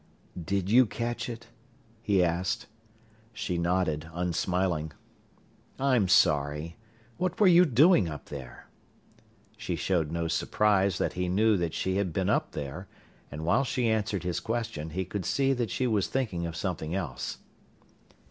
"Did you catch it?" he asked. She nodded, unsmiling. "I'm sorry. What were you doing up there?" She showed no surprise that he knew that she had been up there, and while she answered his question, he could see that she was thinking of something else.